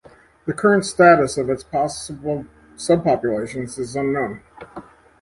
The current status of its possible subpopulations is unknown.